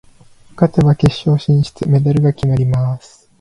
勝てば決勝進出、メダルが決まります。